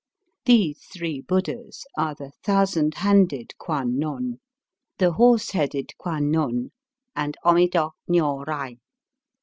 These three /Buddhas are the Thousand Handed Kwan non, the Horse headed Kwan non, and Amida Nio Rai.